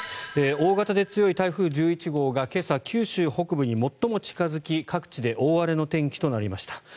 大型で強い台風１１号が今朝、九州北部に最も近付き各地で大荒れの天気となりました。